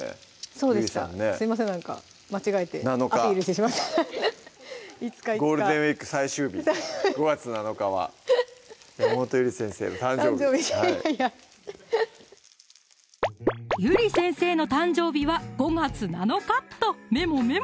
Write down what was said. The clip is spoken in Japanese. そうでしたすいませんなんか間違えてアピールしてしまってゴールデンウイーク最終日５月７日は山本ゆり先生の誕生日ゆり先生の誕生日は５月７日っとメモメモ！